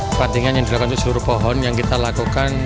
perantingan yang dilakukan seluruh pohon yang kita lakukan